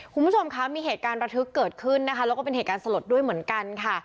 คุณผู้ชมคะมีเหตุการณ์ระทึกเกิดขึ้นนะคะแล้วก็เป็นเหตุการณ์สลดด้วยเหมือนกันค่ะ